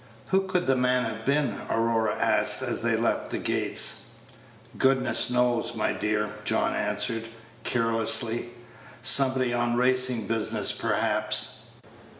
"Who could the man have been?" Aurora asked, as they left the gates. "Goodness knows, my dear," John answered, carelessly. "Somebody on racing business, perhaps."